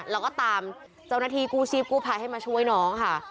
แล้วก็ตามเจ้าหน้าที่กู้ชีพกู้ภัยให้มาช่วยน้องค่ะ